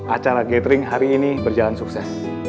acara gathering hari ini berjalan sukses